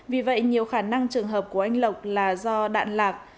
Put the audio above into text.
vì vậy nhiều khả năng trường hợp của anh lộc là do đạn lạc